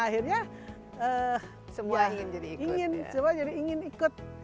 akhirnya semua ingin ikut